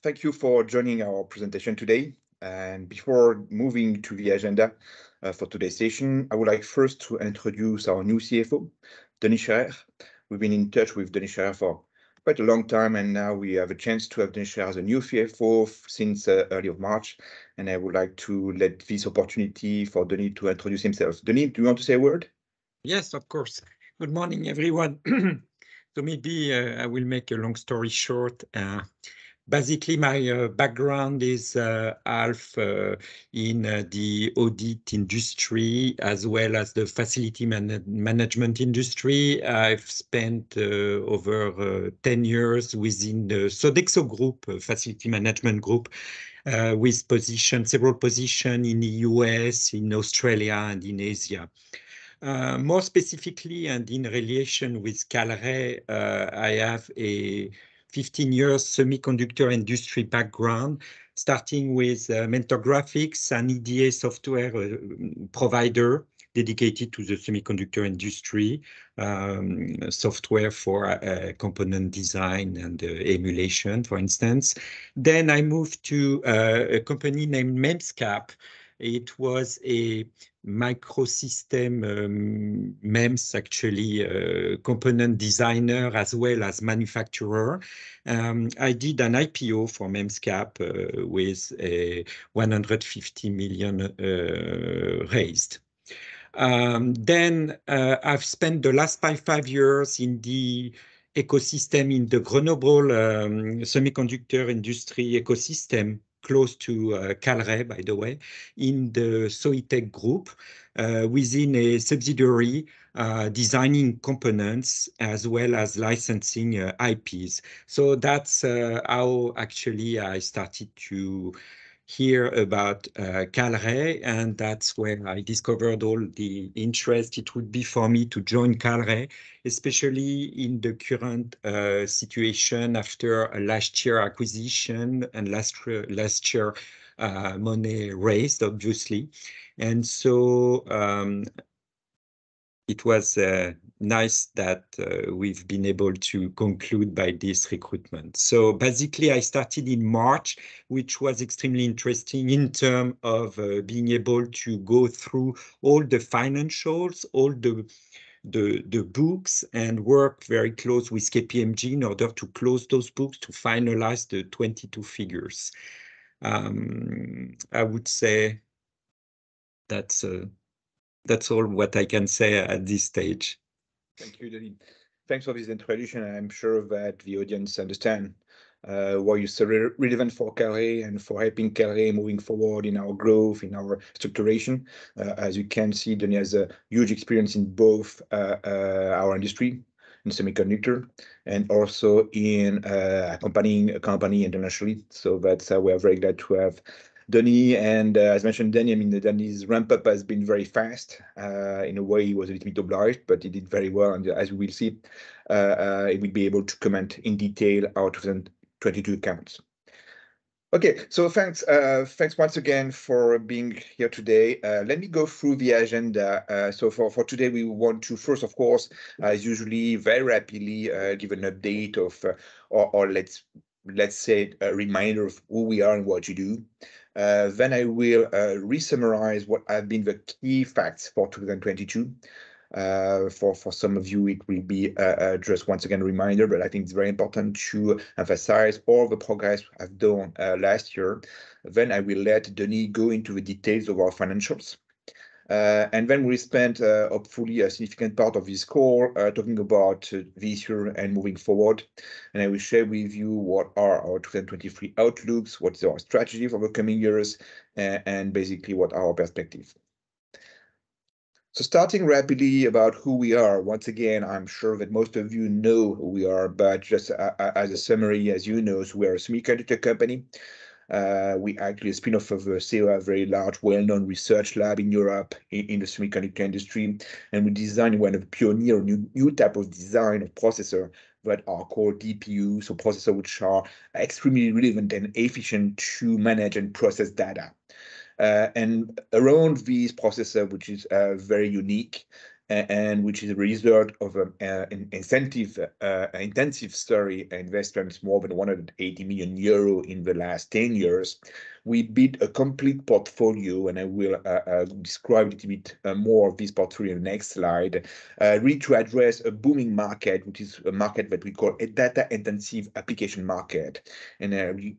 Thank you for joining our presentation today. Before moving to the agenda for today's session, I would like first to introduce our new CFO, Denis Scherrer. We've been in touch with Denis Scherrer for quite a long time, and now we have a chance to have Denis Scherrer as a new CFO since early of March. I would like to let this opportunity for Denis to introduce himself. Denis, do you want to say a word? Yes, of course. Good morning, everyone. Maybe I will make a long story short. Basically, my background is half in the audit industry as well as the facility management industry. I've spent over 10 years within the Sodexo Group, a facility management group, with position, several position in the U.S., in Australia, and in Asia. More specifically and in relation with Kalray, I have a 15 years semiconductor industry background, starting with Mentor Graphics, an EDA software provider dedicated to the semiconductor industry, software for component design and emulation, for instance. I moved to a company named MEMSCAP. It was a microsystem, MEMS, actually, component designer as well as manufacturer. I did an IPO for MEMSCAP with EUR 150 million raised. I've spent the last five years in the ecosystem, in the Grenoble semiconductor industry ecosystem close to Kalray, by the way, in the Soitec group, within a subsidiary, designing components as well as licensing IPs. That's how actually I started to hear about Kalray, and that's when I discovered all the interest it would be for me to join Kalray, especially in the current situation after last year acquisition and last year money raised, obviously. It was nice that we've been able to conclude by this recruitment. I started in March, which was extremely interesting in terms of being able to go through all the financials, all the books, and work very close with KPMG in order to close those books to finalize the 22 figures. I would say that's all what I can say at this stage. Thank you, Denis. Thanks for this introduction. I'm sure that the audience understand why you're so relevant for Kalray and for helping Kalray moving forward in our growth, in our structuration. As you can see, Denis has a huge experience in both our industry, in semiconductor, and also in accompanying a company internationally. That's why we are very glad to have Denis. As mentioned Denis, I mean, Denis' ramp-up has been very fast. In a way, he was a little bit obliged, but he did very well. As we will see, he will be able to comment in detail our 2022 accounts. Okay. Thanks, thanks once again for being here today. Let me go through the agenda. For today we want to first, of course, as usually very rapidly, give an update of... or, let's say a reminder of who we are and what we do. I will re-summarize what have been the key facts for 2022. For some of you, it will be just once again a reminder, but I think it's very important to emphasize all the progress we have done last year. I will let Denis go into the details of our financials. We'll spend hopefully a significant part of this call, talking about this year and moving forward. I will share with you what are our 2023 outlooks, what's our strategy for the coming years, and basically what are our perspective. Starting rapidly about who we are. Once again, I'm sure that most of you know who we are, but just as a summary, as you know, we are a semiconductor company. We actually a spin-off of a CEA, a very large, well-known research lab in Europe in the semiconductor industry. We design one of the pioneer new type of design of processor what are called DPU, so processor which are extremely relevant and efficient to manage and process data. Around this processor, which is very unique and which is a result of an incentive, an intensive study, investments more than 180 million euro in the last 10 years, we built a complete portfolio, and I will describe a little bit more of this portfolio next slide, really to address a booming market, which is a market that we call a data-intensive application market. We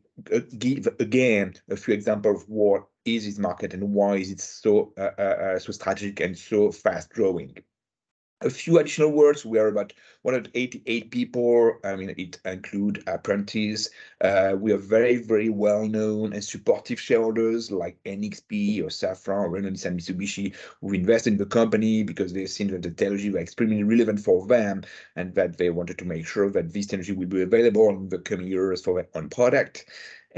give again a few example of what is this market and why is it so strategic and so fast growing. A few additional words. We are about 188 people, and it include apprentices. We have very, very well-known and supportive shareholders like NXP or Safran or Renesas and Mitsubishi who invest in the company because they've seen that the technology extremely relevant for them, and that they wanted to make sure that this technology will be available in the coming years for their own product.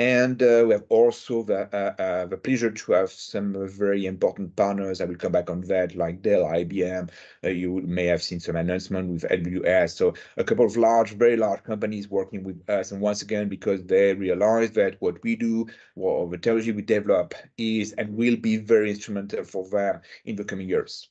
We have also the pleasure to have some very important partners, I will come back on that, like Dell, IBM. You would may have seen some announcement with AWS. A couple of large, very large companies working with us, and once again, because they realize that what we do, what technology we develop is and will be very instrumental for them in the coming years.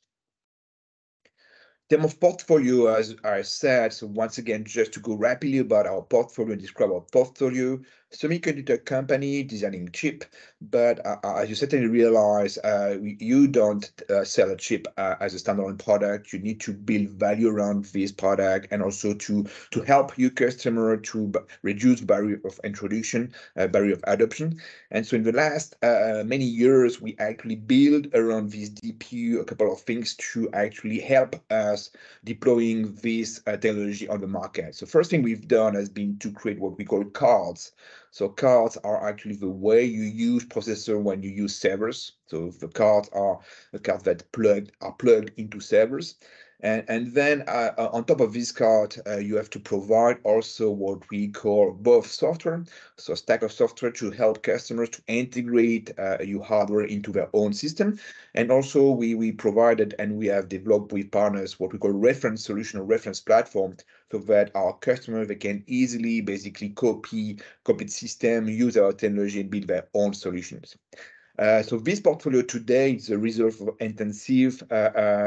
Of portfolio, as I said, once again, just to go rapidly about our portfolio, describe our portfolio. Semiconductor company designing chip. As you certainly realize, you don't sell a chip as a standalone product. You need to build value around this product and also to help your customer to reduce barrier of introduction, barrier of adoption. In the last many years, we actually build around this DPU a couple of things to actually help us deploying this technology on the market. First thing we've done has been to create what we call cards. Cards are actually the way you use processor when you use servers. The cards are the cards that are plugged into servers. Then on top of this card, you have to provide also what we call both software, so a stack of software to help customers to integrate your hardware into their own system. Also we provided and we have developed with partners what we call reference solution or reference platform, so that our customer, they can easily basically copy the system, use our technology and build their own solutions. This portfolio today is a result of intensive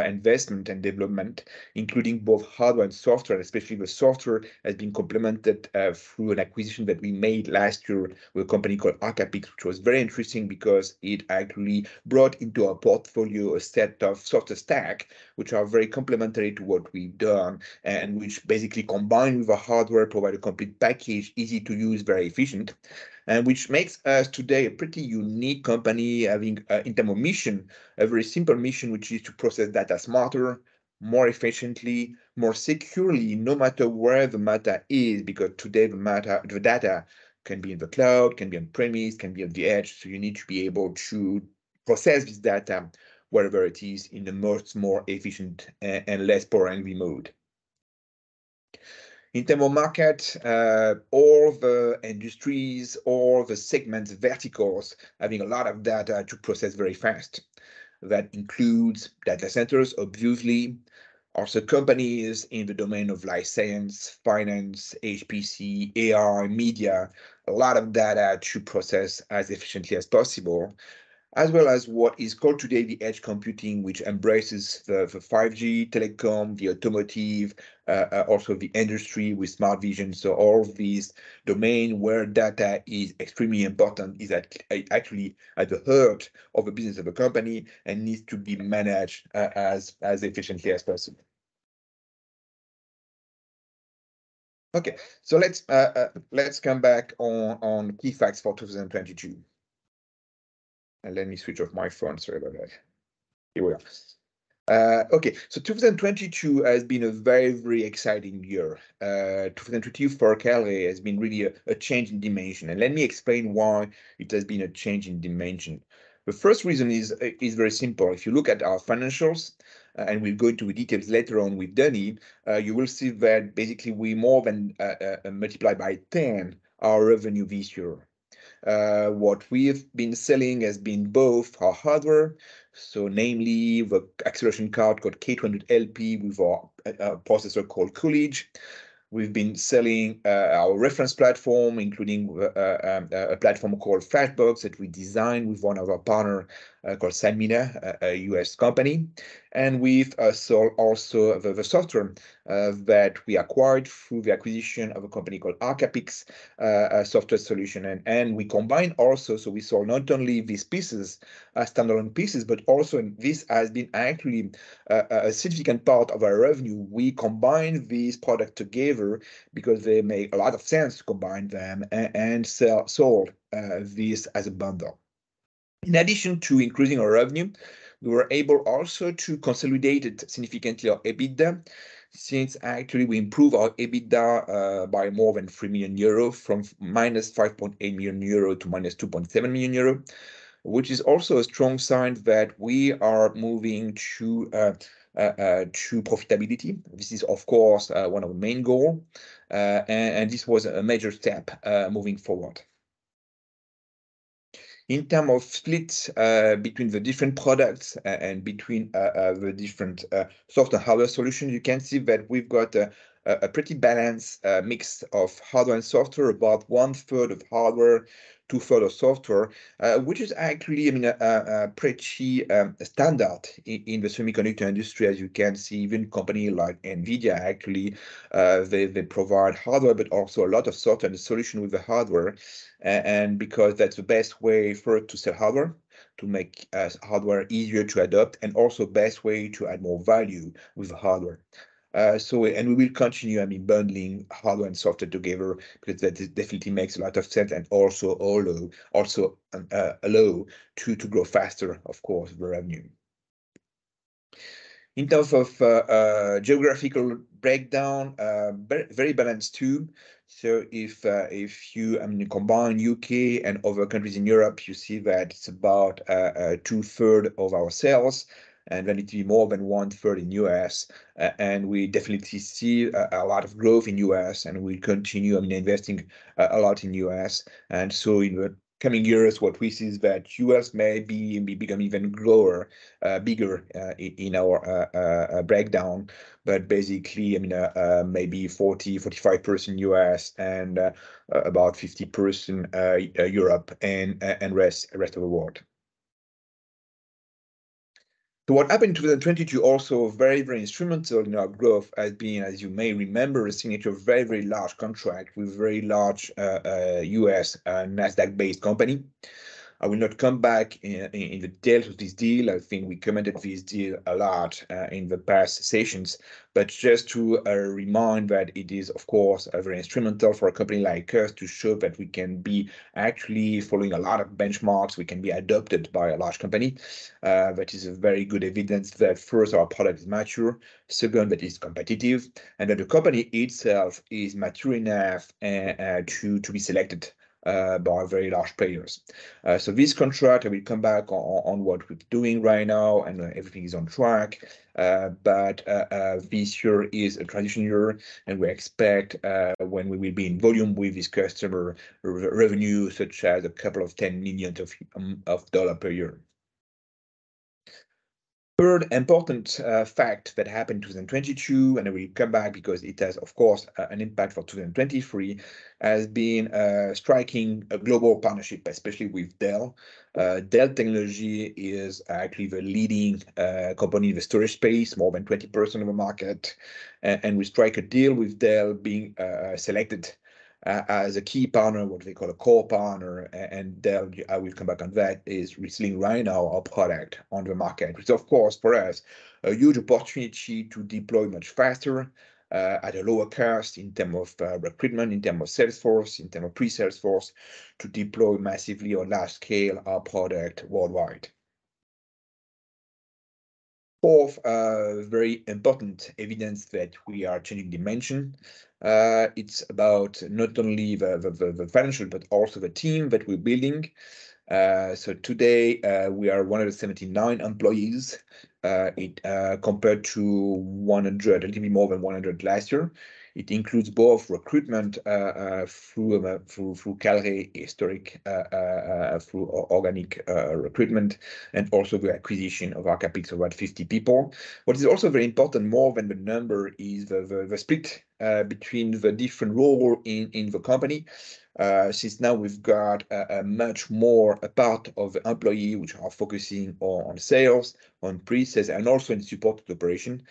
investment and development, including both hardware and software. Especially the software has been complemented, through an acquisition that we made last year with a company called Arcapix, which was very interesting because it actually brought into our portfolio a set of software stack, which are very complementary to what we've done, and which basically combined with the hardware provide a complete package, easy to use, very efficient, and which makes us today a pretty unique company, having in terms of mission, a very simple mission, which is to process data smarter, more efficiently, more securely, no matter where the data is. Because today, the data can be in the cloud, can be on-premise, can be on the edge, so you need to be able to process this data wherever it is in the most more efficient, and less power and remote. In terms of market, all the industries, all the segments, verticals, having a lot of data to process very fast. That includes data centers, obviously. Also companies in the domain of life science, finance, HPC, AR, media, a lot of data to process as efficiently as possible. As well as what is called today the edge computing, which embraces the 5G telecom, the automotive, also the industry with smart vision. All of these domain where data is extremely important is at, actually at the heart of a business of a company and needs to be managed as efficiently as possible. Okay. Let's, let's come back on key facts for 2022. Let me switch off my phone. Sorry about that. Here we are. Okay. 2022 has been a very exciting year. 2022 for Kalray has been really a change in dimension, and let me explain why it has been a change in dimension. The first reason is very simple. If you look at our financials, and we'll go into details later on with Denis, you will see that basically we more than multiply by 10 our revenue this year. What we have been selling has been both our hardware, namely the acceleration card called K200-LP, with our processor called Coolidge. We've been selling our reference platform, including a platform called Flashbox that we designed with one of our partner, called Sanmina, a U.S. company. We've sold also the software that we acquired through the acquisition of a company called Arcapix software solution. We combined also, so we sold not only these pieces as standalone pieces, but also this has been actually a significant part of our revenue. We combined these product together because they make a lot of sense to combine them sold this as a bundle. In addition to increasing our revenue, we were able also to consolidate significantly our EBITDA, since actually we improved our EBITDA by more than 3 million euro, from -5.8 million euro to -2.7 million euro, which is also a strong sign that we are moving to profitability. This is, of course, one of the main goal. This was a major step moving forward. In term of split between the different products and between the different software, hardware solutions, you can see that we've got a pretty balanced mix of hardware and software. About one third of hardware, two third of software, which is actually, I mean, a pretty standard in the semiconductor industry. As you can see, even company like NVIDIA actually, they provide hardware but also a lot of software, the solution with the hardware. Because that's the best way for it to sell hardware, to make hardware easier to adopt, and also best way to add more value with the hardware. We will continue, I mean, bundling hardware and software together because that definitely makes a lot of sense and also allow, also, allow to grow faster, of course, the revenue. In terms of geographical breakdown, very balanced too. So if, I mean, combine U.K. and other countries in Europe, you see that it's. about 2/3 of our sales, then it will be more than 1/3 in U.S. We definitely see a lot of growth in U.S., and we continue, I mean, investing a lot in U.S. In the coming years, what we see is that U.S. may be become even grower, bigger, in our breakdown. Basically, I mean, maybe 40%-45% US and about 50% Europe and rest of the world. What happened 2022 also very, very instrumental in our growth has been, as you may remember, the signature of very, very large contract with very large US Nasdaq-based company. I will not come back in the details of this deal. I think we commented this deal a lot in the past sessions. Just to remind that it is, of course, very instrumental for a company like us to show that we can be actually following a lot of benchmarks. We can be adopted by a large company. That is a very good evidence that, first, our product is mature, second, that it is competitive, and that the company itself is mature enough to be selected by very large players. This contract, I will come back on what we're doing right now, and everything is on track. This year is a transition year, and we expect when we will be in volume with this customer re-revenue such as a couple of $10 million per year. Third important fact that happened 2022, and I will come back because it has, of course, an impact for 2023, has been striking a global partnership, especially with Dell. Dell Technologies is actually the leading company in the storage space, more than 20% of the market. We strike a deal with Dell being selected as a key partner, what they call a core partner. Dell, I will come back on that, is reselling right now our product on the market. Which, of course, for us a huge opportunity to deploy much faster at a lower cost in term of recruitment, in term of sales force, in term of pre-sales force to deploy massively on large scale our product worldwide. Fourth, very important evidence that we are changing dimension. It's about not only the financial, but also the team that we're building. So today, we are 179 employees. It compared to 100, a little bit more than 100 last year. It includes both recruitment, through Kalray historic, through organic recruitment, and also the acquisition of Arcapix, around 50 people. What is also very important, more than the number is the split between the different role in the company. Since now we've got a much more a part of employee which are focusing on sales, on pre-sales, and also in support operation,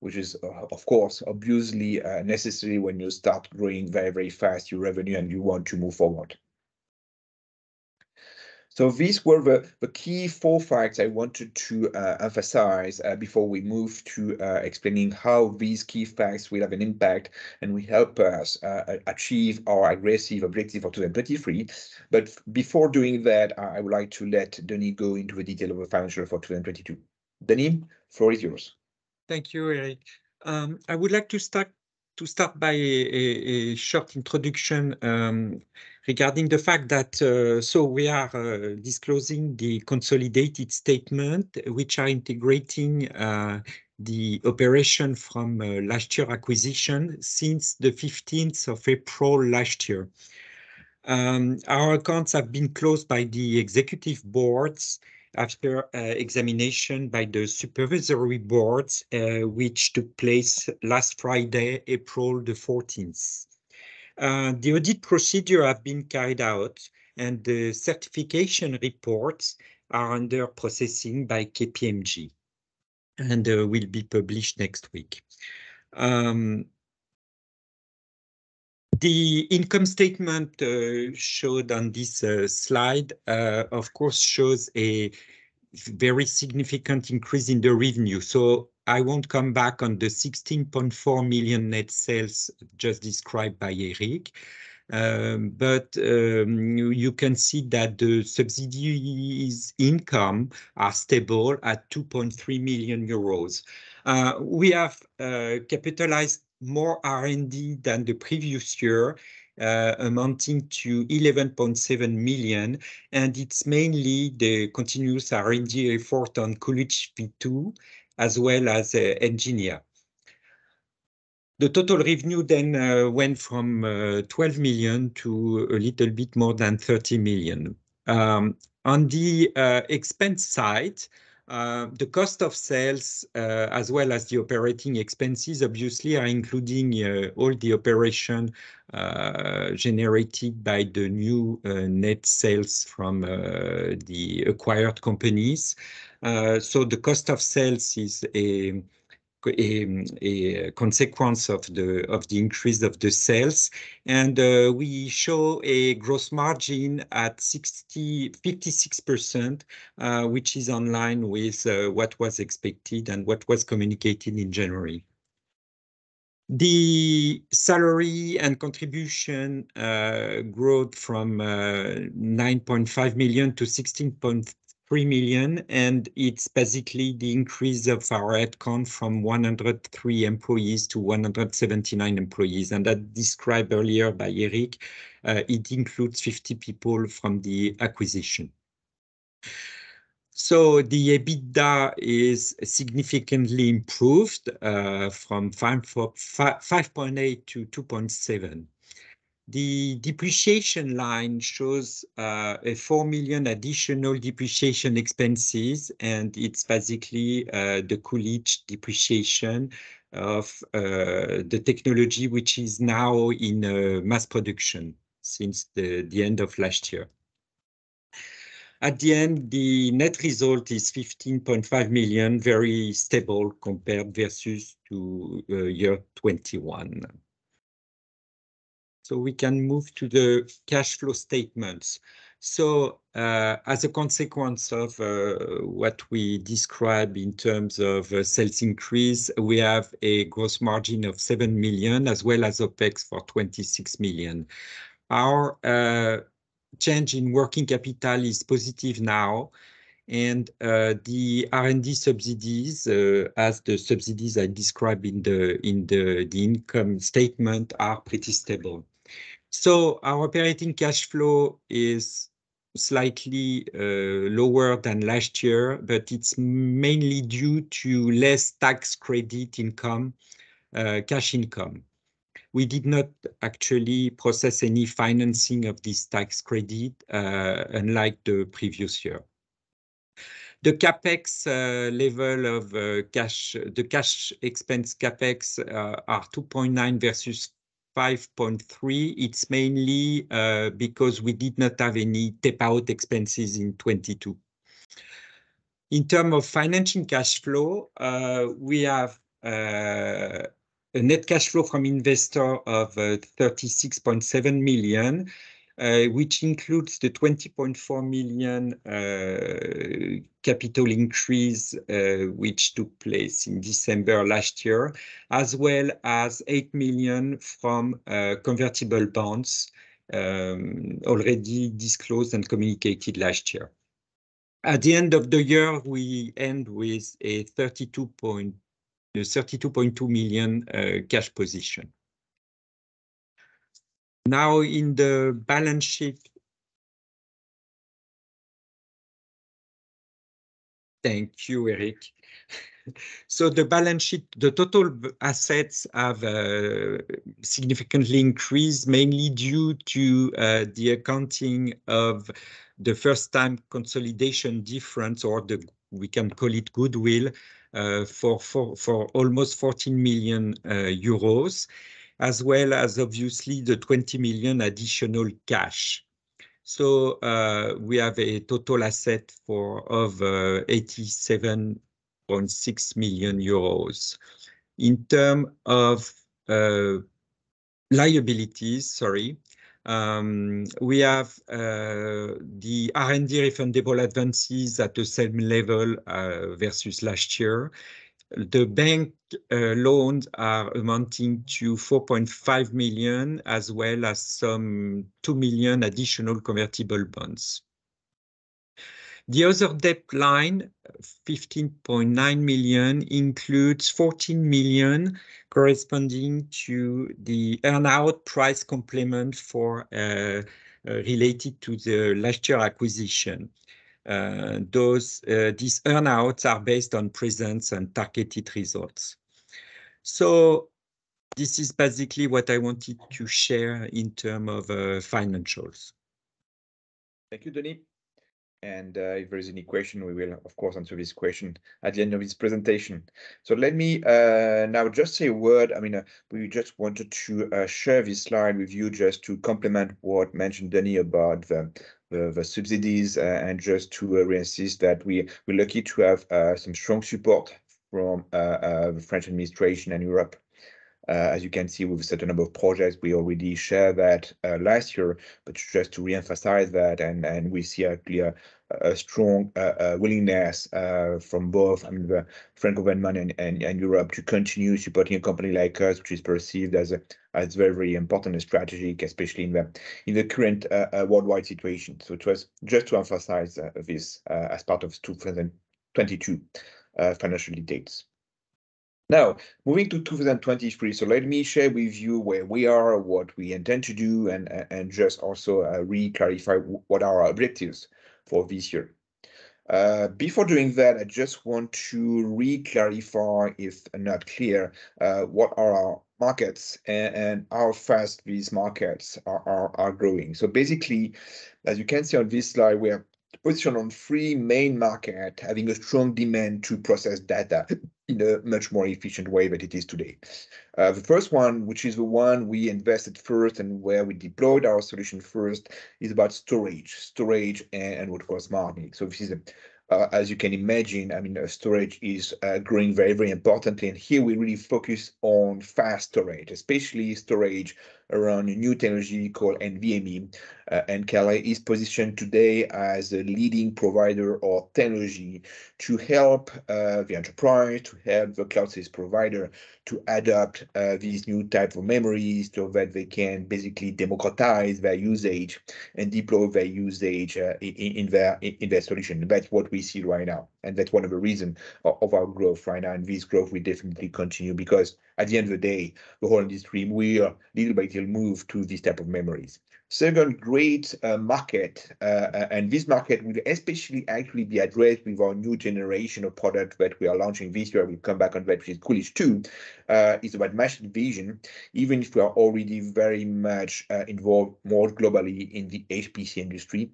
which is, of course, obviously, necessary when you start growing very, very fast your revenue and you want to move forward. These were the key four facts I wanted to emphasize before we move to explaining how these key facts will have an impact and will help us achieve our aggressive objective for 2023. Before doing that, I would like to let Denis go into the detail of the financial for 2022. Denis, floor is yours. Thank you, Éric. I would like to start by a short introduction regarding the fact that we are disclosing the consolidated statement, which are integrating the operation from last year acquisition since the 15th of April last year. Our accounts have been closed by the executive boards after examination by the supervisory boards, which took place last Friday, April the 14th. The audit procedure have been carried out, and the certification reports are under processing by KPMG and will be published next week. The income statement showed on this slide, of course, shows a very significant increase in the revenue. I won't come back on the 16.4 million net sales just described by Éric. You can see that the subsidiaries income are stable at 2.3 million euros. We have capitalized more R&D than the previous year, amounting to 11.7 million, and it's mainly the continuous R&D effort on Coolidge 2 as well as engineer. The total revenue went from 12 million to a little bit more than 13 million. On the expense side, the cost of sales, as well as the operating expenses obviously are including all the operation generated by the new net sales from the acquired companies. The cost of sales is a consequence of the increase of the sales. We show a gross margin at.. 56%, which is in line with what was expected and what was communicated in January. The salary and contribution growth from 9.5 million-16.3 million, it's basically the increase of our headcount from 103 employees to 179 employees. That described earlier by Éric, it includes 50 people from the acquisition. The EBITDA is significantly improved from 5.8 million to 2.7 million. The depreciation line shows 4 million additional depreciation expenses, and it's basically the Coolidge depreciation of the technology which is now in mass production since the end of last year. At the end, the net result is 15.5 million, very stable compared versus to year 2021. We can move to the cash flow statements. As a consequence of what we describe in terms of sales increase, we have a gross margin of 7 million as well as OpEx for 26 million. Our change in working capital is positive now and the R&D subsidies, as the subsidies are described in the income statement, are pretty stable. Our operating cash flow is slightly lower than last year, but it's mainly due to less tax credit income, cash income. We did not actually process any financing of this tax credit, unlike the previous year. The CapEx level of cash, the cash expense CapEx, are 2.9 million versus 5.3 million. It's mainly because we did not have any tape-out expenses in 2022. In term of financial cash flow, we have a net cash flow from investor of 36.7 million, which includes the 20.4 million capital increase, which took place in December last year, as well as 8 million from convertible bonds, already disclosed and communicated last year. At the end of the year, we end with a 32.2 million cash position. Now in the balance sheet... Thank you, Éric. The balance sheet, the total assets have significantly increased, mainly due to the accounting of the first time consolidation difference we can call it goodwill, for almost 14 million euros, as well as obviously the 20 million additional cash. We have a total asset for over 87.6 million euros. In terms of liabilities, sorry, we have the R&D refundable advances at the same level versus last year. The bank loans are amounting to 4.5 million, as well as some 2 million additional convertible bonds. The other debt line, 15.9 million, includes 14 million corresponding to the earn-out price complement related to the last year acquisition. These earn-outs are based on presence and targeted results. This is basically what I wanted to share in terms of financials. Thank you, Denis. If there is any question, we will of course answer this question at the end of this presentation. Let me now just say a word. I mean, we just wanted to share this slide with you just to complement what mentioned Denis about the subsidies, and just to re-insist that we're lucky to have some strong support from the French administration and Europe. As you can see, with a certain number of projects, we already share that last year. Just to re-emphasize that, and we see a clear, a strong willingness from both, I mean, the French government and Europe to continue supporting a company like us, which is perceived as very, very important and strategic, especially in the current worldwide situation. So it was just to emphasize this as part of 2022 financial dates. Now, moving to 2023, so let me share with you where we are, what we intend to do and just also re-clarify what are our objectives for this year. Before doing that, I just want to re-clarify, if not clear, what are our markets and how fast these markets are growing. Basically, as you can see on this slide, we are positioned on three main markets, having a strong demand to process data in a much more efficient way than it is today. The first one, which is the one we invested first and where we deployed our solution first, is about storage. Storage and what was Arcapix. This is, as you can imagine, I mean, storage is growing very, very importantly, and here we really focus on fast storage, especially storage around a new technology called NVMe. Kalray is positioned today as a leading provider of technology to help the enterprise, to help the cloud service provider to adapt these new type of memories so that they can basically democratize their usage and deploy their usage in their solution. That's what we see right now, and that's one of the reason of our growth right now. This growth will definitely continue because at the end of the day, the whole industry, we are little by little move to this type of memories. Second great market, and this market will especially actually be addressed with our new generation of product that we are launching this year. We come back on that, which is Coolidge 2, is about machine vision, even if we are already very much involved more globally in the HPC industry.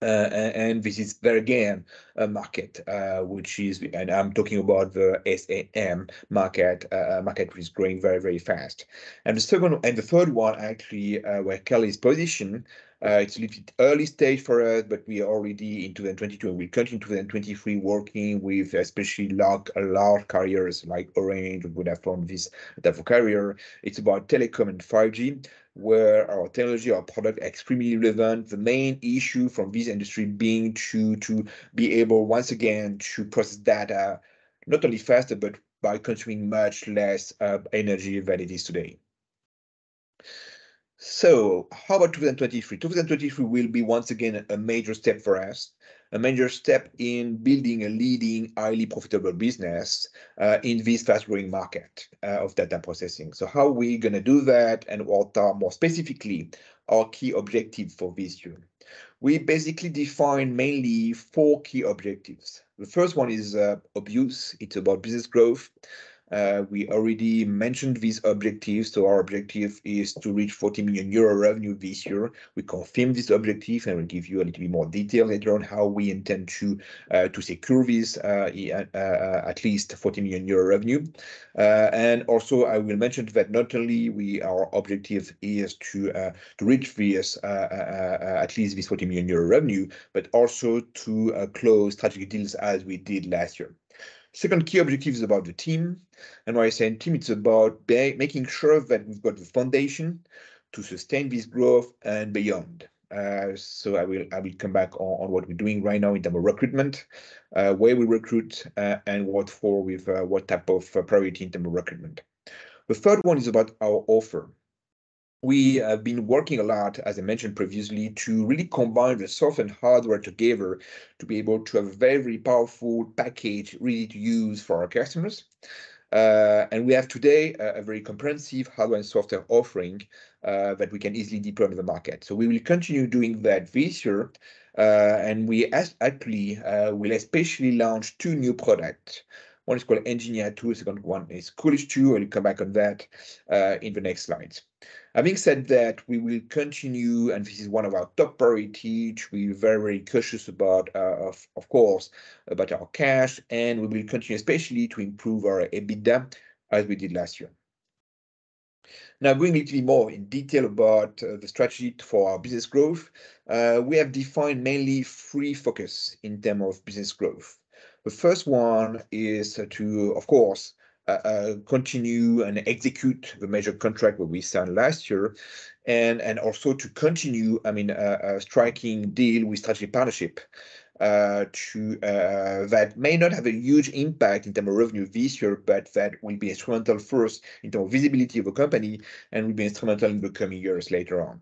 This is there again a market which is. I'm talking about the SAM market, which is growing very, very fast. The second one and the third one actually, where Kalray is positioned, it's a little bit early stage for us, but we are already in 2022, and we continue 2023 working with especially large carriers like Orange. We're gonna form this type of carrier. It's about telecom and 5G, where our technology, our product extremely relevant. The main issue from this industry being to be able, once again, to process data not only faster, but by consuming much less energy than it is today. How about 2023? 2023 will be, once again, a major step for us, a major step in building a leading, highly profitable business in this fast-growing market of data processing. How are we gonna do that, and what are more specifically our key objectives for this year? We basically define mainly four key objectives. The first one is abuse. It's about business growth. We already mentioned these objectives. Our objective is to reach 40 million euro revenue this year. We confirm this objective, and we'll give you a little bit more detail later on how we intend to secure this, yeah, at least 40 million euro revenue. Also, I will mention that not only our objective is to reach this, at least this 40 million euro revenue, but also to close strategic deals as we did last year. Second key objective is about the team. When I say team, it's about making sure that we've got the foundation to sustain this growth and beyond. I will come back on what we're doing right now in terms of recruitment, where we recruit, and what for with what type of priority in term of recruitment. The third one is about our offer. We have been working a lot, as I mentioned previously, to really combine the soft and hardware together to be able to have a very powerful package really to use for our customers. We have today a very comprehensive hardware and software offering that we can easily deploy to the market. We will continue doing that this year. We actually will especially launch two new product. One is called Engineer tool. Second one is Coolidge 2. I will come back on that in the next slides. Having said that, we will continue, and this is one of our top priority, which we're very cautious about, of course, about our cash, and we will continue especially to improve our EBITDA as we did last year. Going into more in detail about the strategy for our business growth. We have defined mainly three focus in term of business growth. The first one is to, of course, continue and execute the major contract what we signed last year. Also to continue, I mean, striking deal with strategic partnership, to that may not have a huge impact in term of revenue this year, but that will be instrumental for us in terms of visibility of a company and will be instrumental in the coming years later on.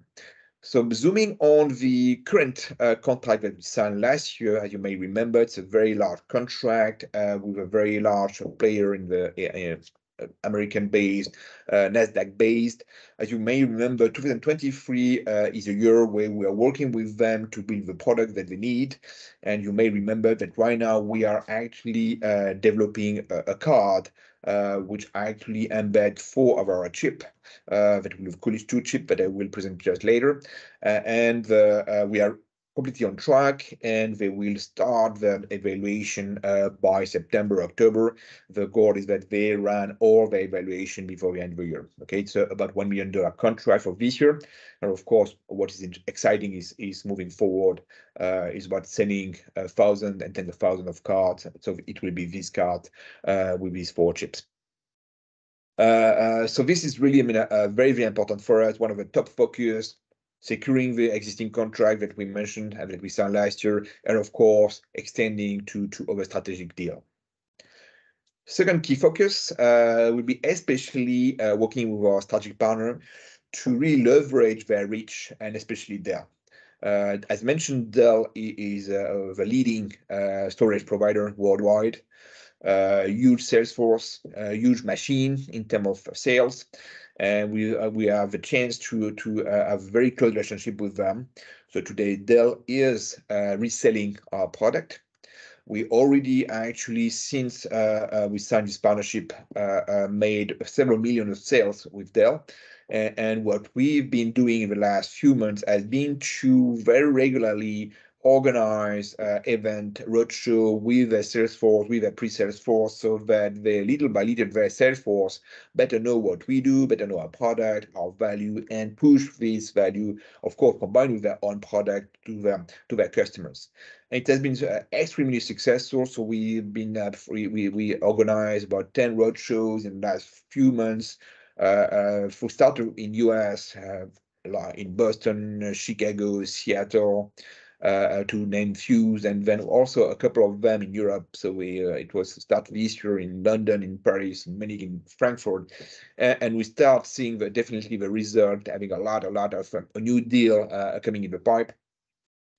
Zooming on the current contract that we signed last year, as you may remember, it's a very large contract with a very large player in the American-based, Nasdaq based. As you may remember, 2023 is a year where we are working with them to build the product that they need. You may remember that right now we are actually developing a card which actually embed four of our chip, that we've called it two chip, but I will present just later. We are completely on track, and they will start the evaluation by September, October. The goal is that they run all the evaluation before we end the year. Okay. About EUR 1 million under our contract for this year. Of course, what is exciting is moving forward is about selling 1,000 and 10,000 cards. It will be this card with these four chips. This is really, I mean, very, very important for us, one of the top focus, securing the existing contract that we mentioned and that we signed last year and of course, extending to other strategic deal. Second key focus will be especially working with our strategic partner to really leverage their reach and especially Dell. As mentioned, Dell is the leading storage provider worldwide. Huge sales force, huge machine in term of sales. We have a chance to have very close relationship with them. Today, Dell is reselling our product. We already actually, since we signed this partnership, made several million of sales with Dell. What we've been doing in the last few months has been to very regularly organize event roadshow with the sales force, with the pre-sales force, so that little by little their sales force better know what we do, better know our product, our value, and push this value, of course, combined with their own product to their customers. It has been extremely successful. We've been, we organized about 10 roadshows in the last few months. For starter in U.S., like in Boston, Chicago, Seattle, to name a few, and then also a couple of them in Europe. We, it was start of this year in London, in Paris, and then in Frankfurt. We start seeing the definitely the result, having a lot of new deal coming in the pipe.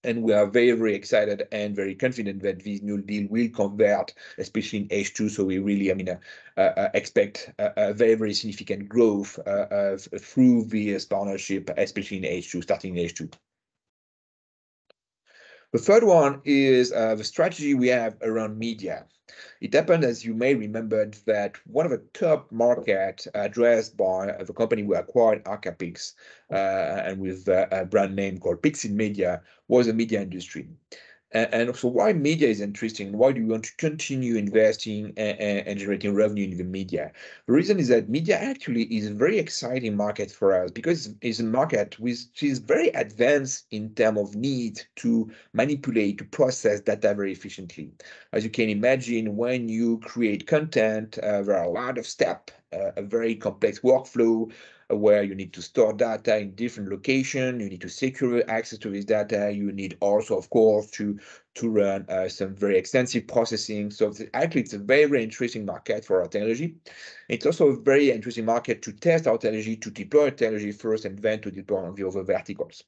We are very excited and very confident that these new deal will convert, especially in H2. We really, I mean, expect a very significant growth through this partnership, especially in H2, starting in H2. The third one is the strategy we have around media. It happened, as you may remembered, that one of the top market addressed by the company we acquired, Arcapix, and with a brand name called Pixitmedia, was the media industry. Why media is interesting, why do we want to continue investing and generating revenue in the media? The reason is that media actually is a very exciting market for us because it's a market which is very advanced in term of need to manipulate, to process data very efficiently. As you can imagine, when you create content, there are a lot of step, a very complex workflow where you need to store data in different location, you need to secure access to this data. You need also, of course, to run some very extensive processing. Actually it's a very, very interesting market for our technology. It's also a very interesting market to test our technology, to deploy technology first and then to deploy on the other verticals.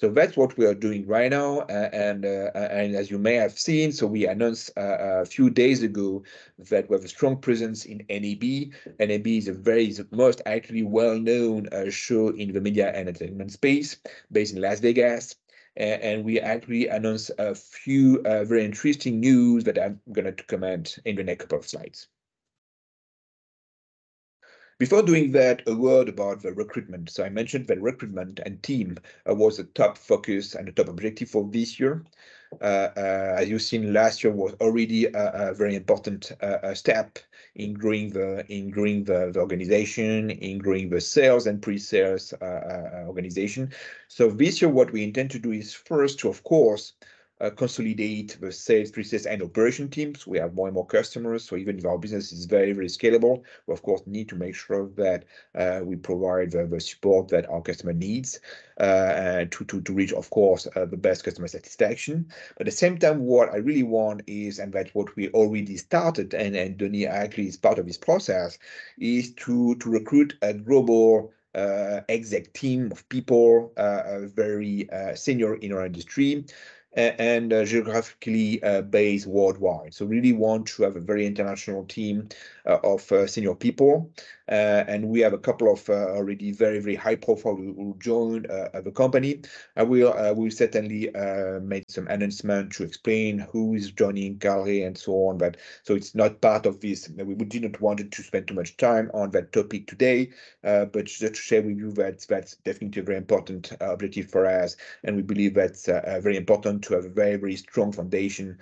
That's what we are doing right now. As you may have seen, so we announced a few days ago that we have a strong presence in NAB. NAB is a very, is the most actually well-known, show in the media and entertainment space, based in Las Vegas. We actually announced a few very interesting news that I'm gonna comment in the next couple of slides. Before doing that, a word about the recruitment. I mentioned that recruitment and team was a top focus and a top objective for this year. As you've seen, last year was already a very important step in growing the organization, in growing the sales and pre-sales organization. This year, what we intend to do is first to, of course, consolidate the sales, pre-sales and operation teams. We have more and more customers, so even if our business is very scalable, we of course need to make sure that we provide the support that our customer needs to reach, of course, the best customer satisfaction. At the same time, what I really want is, and that what we already started, and Donnie actually is part of this process, is to recruit a global exec team of people, very senior in our industry and geographically based worldwide. We really want to have a very international team of senior people. We have a couple of already very high-profile who joined the company. We'll certainly make some announcement to explain who is joining, Gary and so on. It's not part of this. We did not want to spend too much time on that topic today. Just to share with you that that's definitely a very important objective for us, and we believe that's very important to have a very, very strong foundation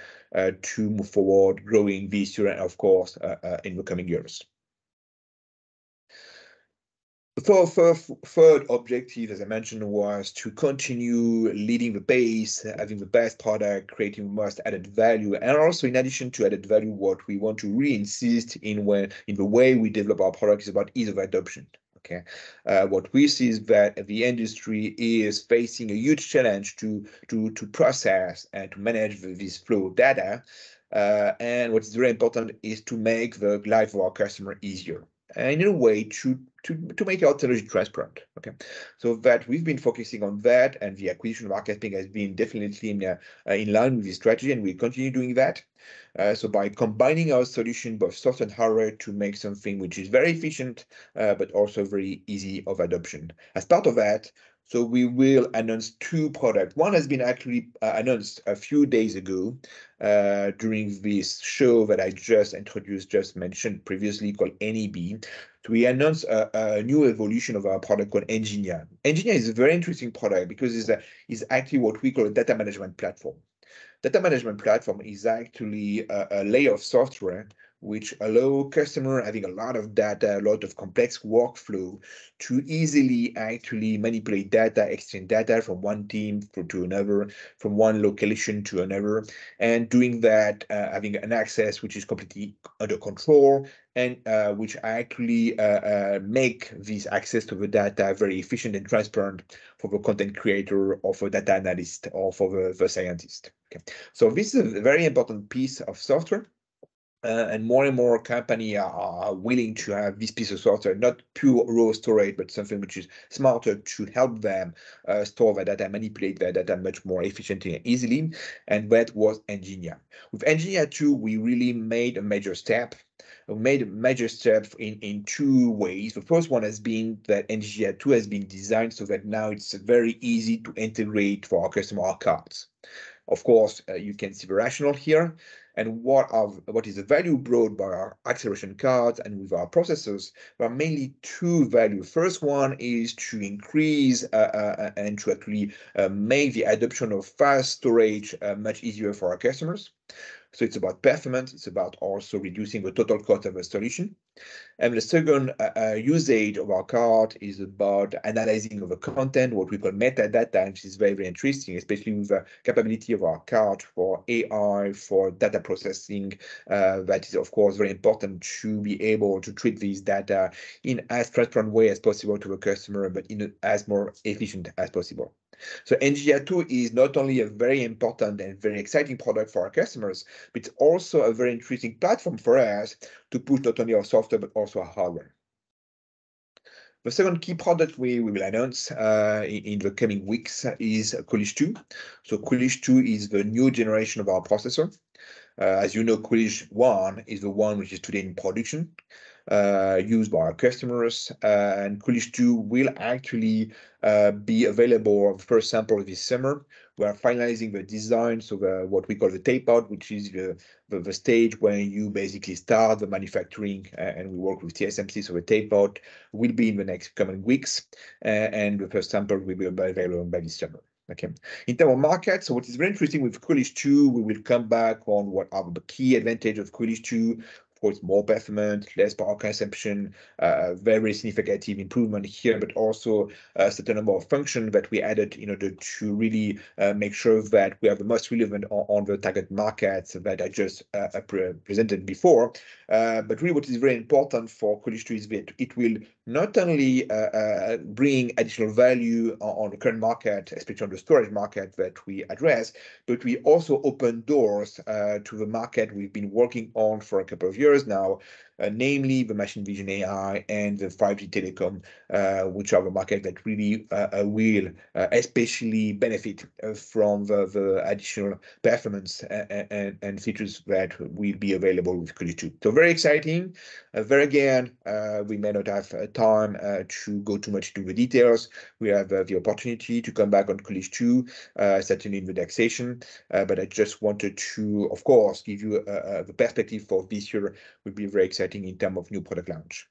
to move forward growing this year and of course, in the coming years. The third objective, as I mentioned, was to continue leading the base, having the best product, creating the most added value. Also in addition to added value, what we want to re-insist in the way we develop our product is about ease of adoption. Okay? What we see is that the industry is facing a huge challenge to process and to manage this flow of data. What's very important is to make the life of our customer easier, and in a way to make our technology transparent. Okay. We've been focusing on that, and the acquisition of Arcapix has been definitely in line with the strategy, and we continue doing that. By combining our solution, both software and hardware, to make something which is very efficient, but also very easy of adoption. As part of that, we will announce two product. One has been actually announced a few days ago, during this show that I just introduced, just mentioned previously, called NAB. We announce a new evolution of our product called Engineer. Engineer is a very interesting product because it's actually what we call a data management platform. Data management platform is actually a layer of software which allow customer having a lot of data, a lot of complex workflow to easily actually manipulate data, exchange data from one team to another, from one location to another. Doing that, having an access which is completely under control and which actually make this access to the data very efficient and transparent for the content creator or for data analyst or for the scientist. This is a very important piece of software, and more and more company are willing to have this piece of software. Not pure raw storage, but something which is smarter to help them store their data, manipulate their data much more efficiently and easily. That was Engineer. With Engineer 2, we really made a major step in two ways. The first one has been that Engineer 2 has been designed so that now it's very easy to integrate for our customer cards. Of course, you can see the rationale here. What is the value brought by our acceleration cards and with our processors are mainly two value. First one is to increase and to actually make the adoption of fast storage much easier for our customers. It's about performance, it's about also reducing the total cost of a solution. The second usage of our card is about analyzing of the content, what we call metadata, which is very, very interesting, especially with the capability of our card for AI, for data processing. That is of course very important to be able to treat this data in as transparent way as possible to a customer, but in a as more efficient as possible. Engineer 2 is not only a very important and very exciting product for our customers, but it's also a very interesting platform for us to push not only our software, but also our hardware. The second key product we will announce in the coming weeks is Coolidge 2. Coolidge 2 is the new generation of our processor. As you know, Coolidge 1 is the one which is today in production, used by our customers. And Coolidge 2 will actually be available, the first sample, this summer. We are finalizing the design, so what we call the tape-out, which is the stage when you basically start the manufacturing. We work with TSMC, the tape-out will be in the next coming weeks. The first sample will be available by this summer. Okay. In terms of market, what is very interesting with Coolidge 2, we will come back on what are the key advantage of Coolidge 2. Of course, more performance, less power consumption, a very significant improvement here. Also a certain number of function that we added in order to really make sure that we are the most relevant on the target markets that I just presented before. Really what is very important for Coolidge 2 is that it will not only bring additional value on the current market, especially on the storage market that we address, but we also open doors to the market we've been working on for a couple of years now. Namely the machine vision AI and the 5G telecom, which are a market that really will especially benefit from the additional performance and features that will be available with Coolidge 2. Very exciting. Very again, we may not have time to go too much into the details. We have the opportunity to come back on Coolidge 2, certainly in the next session. I just wanted to, of course, give you the perspective for this year will be very exciting in terms of new product launch.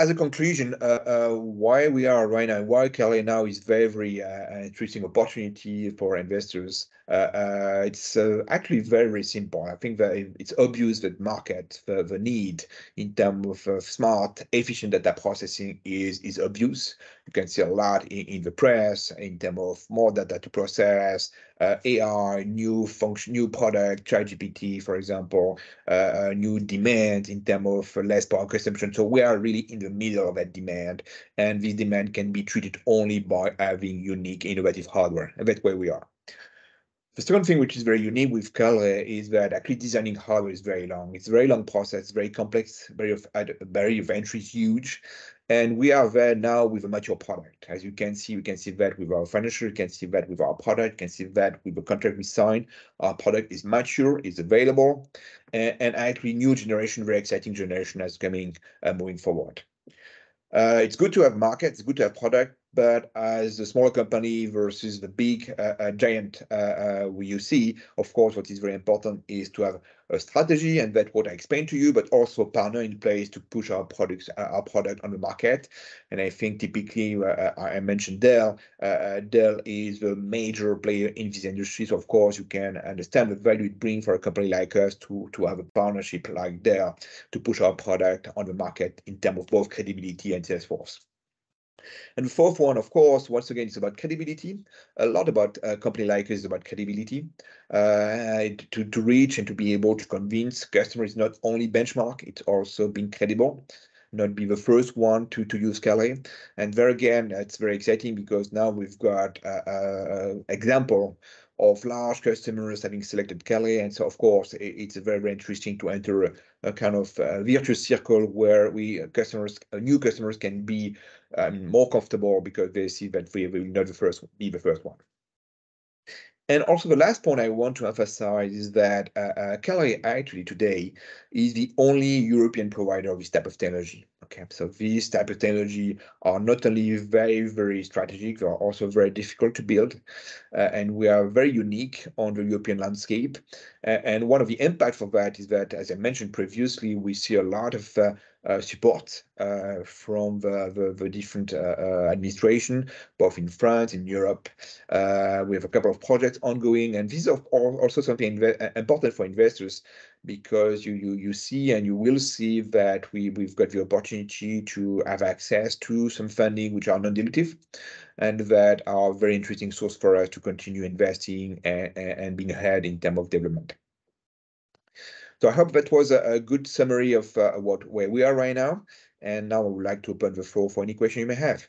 As a conclusion, why we are right now, why Kalray now is very an interesting opportunity for investors. It's actually very simple. I think that it's obvious that market, the need in terms of smart, efficient data processing is obvious. You can see a lot in the press in terms of more data to process, AI, new function, new product, ChatGPT, for example. New demand in terms of less power consumption. We are really in the middle of that demand, and this demand can be treated only by having unique innovative hardware. That's where we are. The second thing which is very unique with Kalray is that actually designing hardware is very long. It's a very long process, very complex, very of a very huge. We are there now with a mature product. As you can see, we can see that with our financial, can see that with our product, can see that with the contract we signed. Our product is mature, it's available, and actually new generation, very exciting generation that's coming, moving forward. It's good to have market, it's good to have product, but as a small company versus the big, giant, you see, of course, what is very important is to have a strategy, and that what I explained to you, but also partner in place to push our products, our product on the market. I think typically, I mentioned Dell. Dell is a major player in these industries. Of course, you can understand the value it brings for a company like us to have a partnership like Dell to push our product on the market in terms of both credibility and sales force. Fourth one, of course, once again, it's about credibility. A lot about a company like us is about credibility. To reach and to be able to convince customers is not only benchmark, it's also being credible, not be the first one to use Kalray. There again, it's very exciting because now we've got an example of large customers having selected Kalray. Of course it's very, very interesting to enter a kind of a virtuous circle where we customers, new customers can be more comfortable because they see that we will not the first. be the first one. Also the last point I want to emphasize is that, Kalray actually today is the only European provider of this type of technology, okay? This type of technology are not only very, very strategic, they are also very difficult to build. We are very unique on the European landscape. One of the impact for that is that, as I mentioned previously, we see a lot of support from the different administration, both in France, in Europe. We have a couple of projects ongoing. These are also something important for investors because you see and you will see that we've got the opportunity to have access to some funding which are non-dilutive and that are very interesting source for us to continue investing and being ahead in term of development. I hope that was a good summary of where we are right now. Now I would like to open the floor for any question you may have.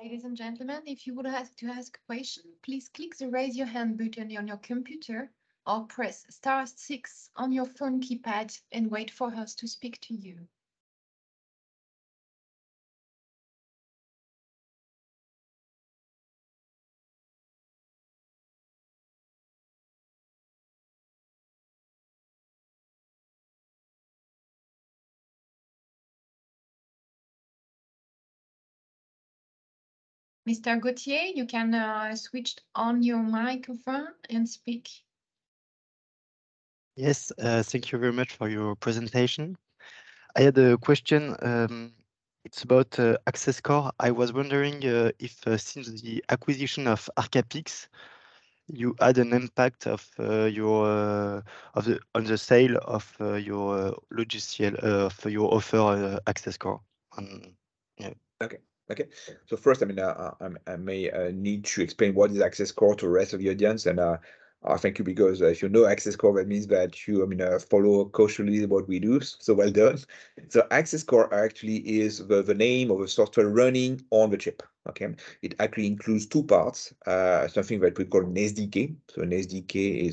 Ladies and gentlemen, if you would ask to ask question, please click the Raise Your Hand button on your computer or press star six on your phone keypad and wait for us to speak to you. Mr. Gautier, you can switch on your microphone and speak. Yes. Thank you very much for your presentation. I had a question, it's about AccessCore. I was wondering if since the acquisition of Arcapix, you had an impact of your of the on the sale of your logistic for your offer, AccessCore. Okay. First, I mean, I, I may need to explain what is AccessCore to the rest of the audience, and I thank you because if you know AccessCore, that means that you, I mean, follow closely what we do, so well done. AccessCore actually is the name of a software running on the chip. Okay? It actually includes two parts. Something that we call an SDK. An SDK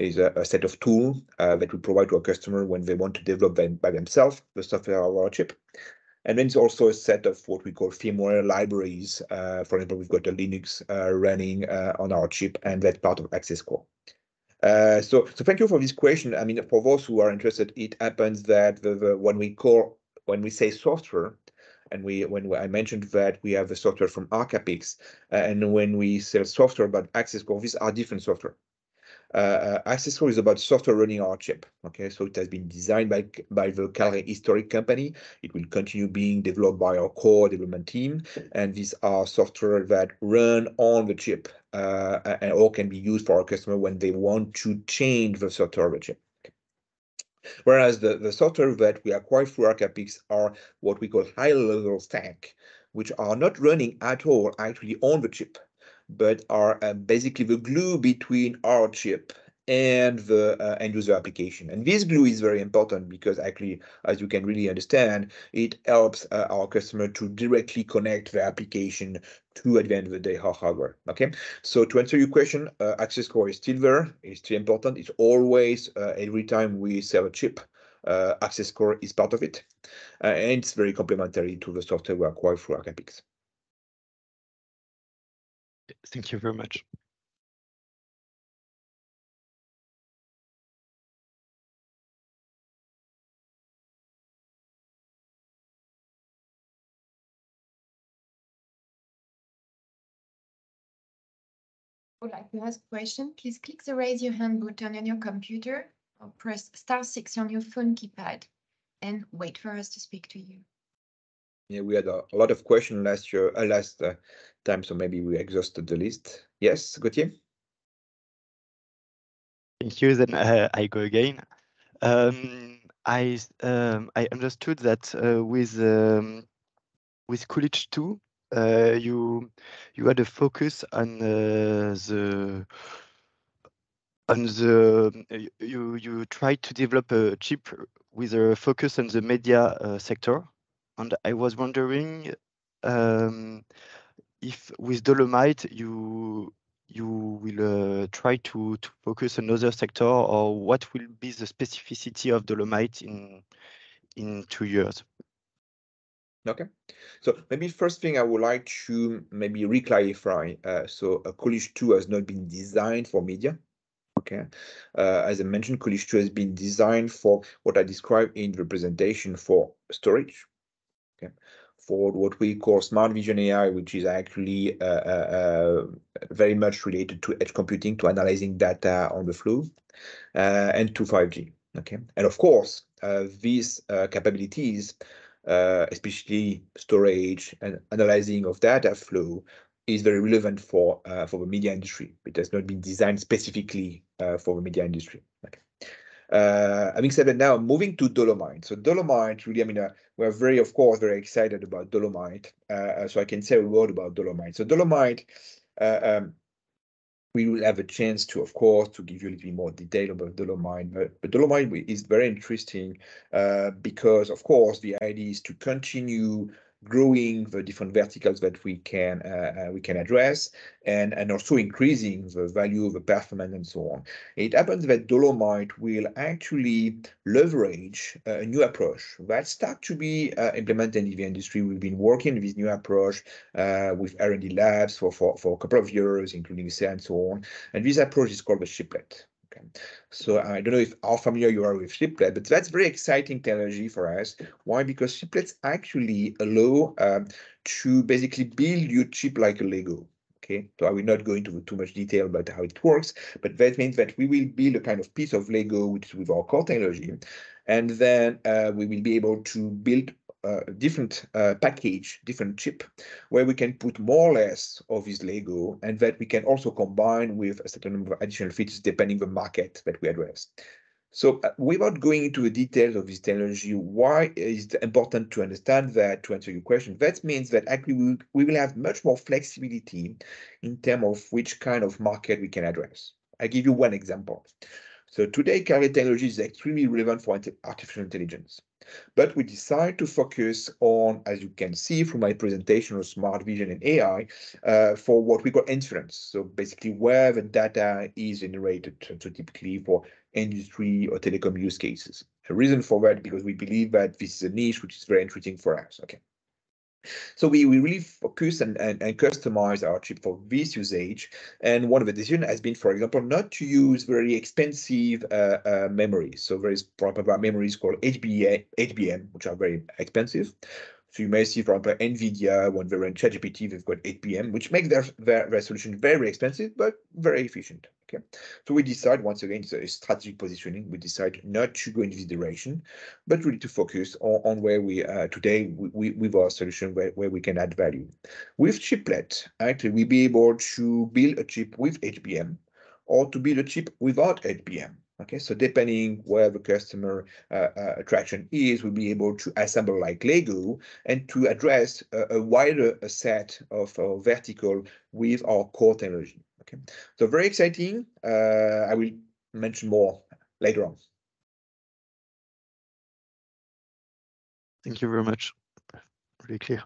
is a set of tool that we provide to our customer when they want to develop them by themselves, the software or our chip. It's also a set of what we call firmware libraries. For example, we've got a Linux running on our chip, and that's part of AccessCore. So thank you for this question. I mean, for those who are interested, it happens that the when we say software, and when we I mentioned that we have the software from Arcapix, and when we sell software about AccessCore, these are different software. AccessCore is about software running our chip, okay? It has been designed by the Kalray historic company. It will continue being developed by our core development team, and these are software that run on the chip, and all can be used for our customer when they want to change the software of the chip. Whereas the software that we acquired through Arcapix are what we call high-level stack, which are not running at all actually on the chip but are basically the glue between our chip and the end user application. This glue is very important because actually, as you can really understand, it helps our customer to directly connect the application to, at the end of the day, our hardware. Okay? To answer your question, AccessCore is still there. It's still important. It's always, every time we sell a chip, AccessCore is part of it. It's very complementary to the software we acquired through Arcapix. Thank you very much. Would like to ask a question, please click the Raise Your Hand button on your computer, or press star six on your phone keypad and wait for us to speak to you. Yeah, we had a lot of question last year, last time, maybe we exhausted the list. Yes, Gautier? Thank you. I go again. I understood that with Coolidge 2, you tried to develop a chip with a focus on the media sector. I was wondering if with Dolomites you will try to focus another sector or what will be the specificity of Dolomites in two years? Maybe first thing I would like to maybe reclarify. Coolidge 2 has not been designed for media. Okay. As I mentioned, Coolidge 2 has been designed for what I described in the presentation for storage. Okay. For what we call smart vision AI, which is actually very much related to edge computing, to analyzing data on the flow, and to 5G. Okay. Of course, these capabilities, especially storage analyzing of data flow, is very relevant for the media industry. It has not been designed specifically for the media industry. Okay. Having said that now, moving to Dolomites. Dolomites really, I mean, we're very, of course, very excited about Dolomites. I can say a word about Dolomites. Dolomites we will have a chance to, of course, to give you a little bit more detail about Dolomites. Dolomites is very interesting because of course the idea is to continue growing the different verticals that we can address, and also increasing the value of the performance and so on. It happens that Dolomites™ will actually leverage a new approach that start to be implemented in the industry. We've been working with new approach with R&D labs for a couple of years, including SEA and so on, and this approach is called the chiplet. Okay. I don't know if how familiar you are with chiplet, but that's very exciting technology for us. Why? Because chiplets actually allow to basically build your chip like a Lego. Okay? I will not go into too much detail about how it works, but that means that we will build a kind of piece of Lego, which with our core technology, and then we will be able to build a different package, different chip, where we can put more or less of this Lego, and that we can also combine with a certain number of additional features depending the market that we address. Without going into the details of this technology, why is it important to understand that, to answer your question? That means that actually we will have much more flexibility in term of which kind of market we can address. I give you one example. Today, Kalray technology is extremely relevant for artificial intelligence. We decide to focus on, as you can see from my presentation on smart vision and AI, for what we call inference. Basically where the data is generated, to typically for industry or telecom use cases. The reason for that, because we believe that this is a niche which is very interesting for us. Okay. We really focus and customize our chip for this usage, and one of the decision has been, for example, not to use very expensive, memory. So very proper memories called HBM, which are very expensive. You may see from NVIDIA when they run ChatGPT, they've got HBM, which makes their solution very expensive but very efficient. Okay. We decide, once again, it's a strategic positioning. We decide not to go in this direction, but really to focus on where we are today with our solution where we can add value. With chiplet, actually we'll be able to build a chip with HBM or to build a chip without HBM. Okay. Depending where the customer attraction is, we'll be able to assemble like Lego and to address a wider set of vertical with our core technology. Okay. Very exciting. I will mention more later on. Thank you very much. Very clear.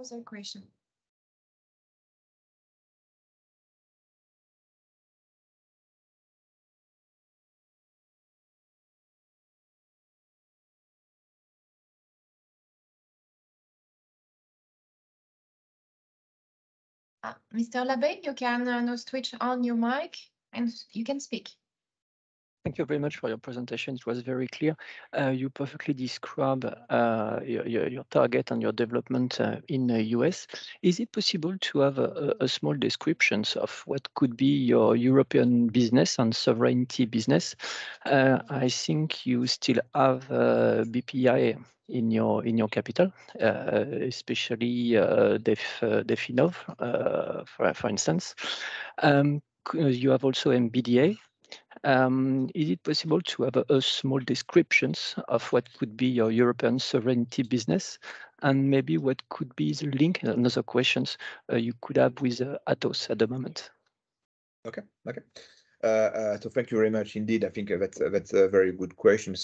Another question. Mr. Labbé, you can now switch on your mic, and you can speak. Thank you very much for your presentation. It was very clear. You perfectly describe, your, your target and your development, in the U.S. Is it possible to have a small descriptions of what could be your European business and sovereignty business? I think you still have, Bpifrance in your, in your capital, especially, Definvest, for instance. You have also MBDA. Is it possible to have a small descriptions of what could be your European sovereignty business and maybe what could be the link, another questions, you could have with Atos at the moment? Okay. Okay. Thank you very much indeed. I think that's a very good question.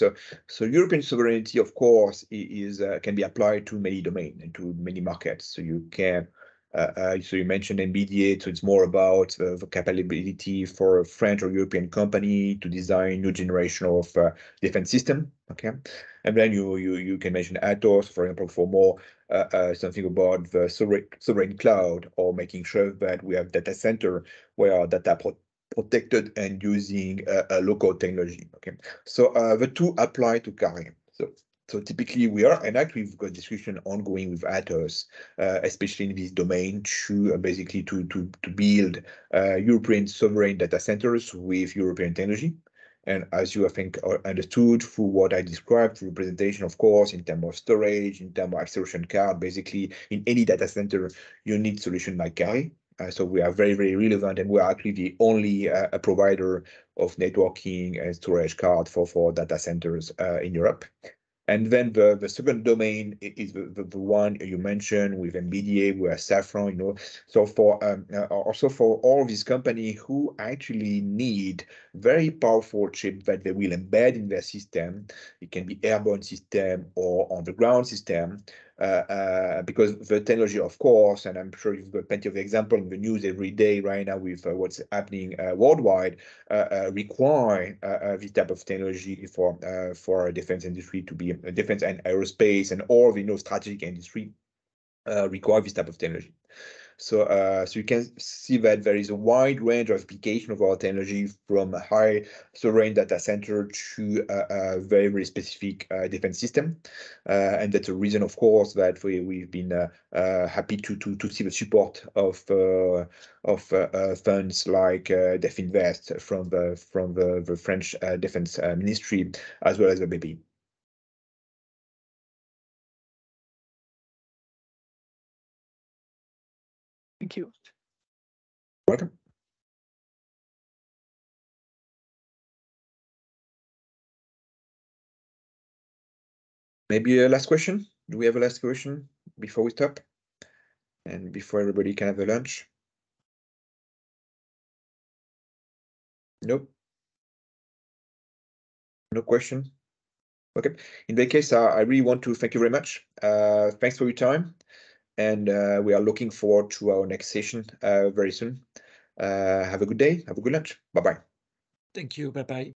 European sovereignty, of course, is, can be applied to many domain and to many markets. You can, so you mentioned MBDA, it's more about the capability for French or European company to design new generation of defense system. Okay. Then you can mention Atos, for example, for more, something about the sovereign cloud or making sure that we have data center where our data protected and using local technology. Okay. The two apply to Kalray. Typically we are. In fact, we've got a discussion ongoing with Atos, especially in this domain to, basically to build European sovereign data centers with European technology. As you, I think, understood through what I described through presentation, of course, in term of storage, in term of acceleration card, basically in any data center you need solution like Kalray. We are very, very relevant, and we are actually the only provider of networking and storage card for data centers in Europe. Then the second domain is the one you mentioned with MBDA, with Safran, you know. For, also for all these company who actually need very powerful chip that they will embed in their system, it can be airborne system or on the ground system. Because the technology of course, and I'm sure you've got plenty of example in the news every day right now with what's happening worldwide require this type of technology for defense industry. Defense and aerospace and all the, you know, strategic industry require this type of technology. You can see that there is a wide range of application of our technology from a high sovereign data center to a very, very specific defense system. That's the reason, of course, that we've been happy to see the support of funds like Definvest from the French Defense Ministry, as well as Bpifrance. Thank you. Welcome. Maybe a last question. Do we have a last question before we stop and before everybody can have a lunch? Nope. No questions. Okay. In that case, I really want to thank you very much. Thanks for your time, we are looking forward to our next session very soon. Have a good day. Have a good lunch. Bye-bye. Thank you. Bye-bye.